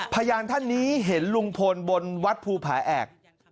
พยานท่านนี้เห็นลุงพลบนวัดภูผาแอก